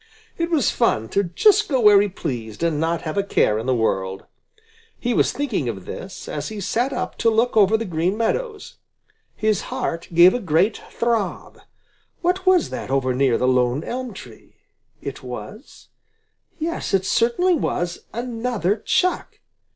It was fun to just go where he pleased and not have a care in the world. He was thinking of this, as he sat up to look over the Green Meadows. His heart gave a great throb. What was that over near the lone elm tree? It was yes, it certainly was another Chuck!